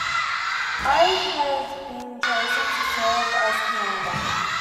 Ide had been chosen to serve as commander.